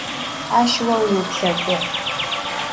Aş vo vuiuplhek'uğ.